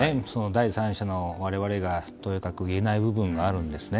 第三者の我々がとやかく言えない部分があるんですね。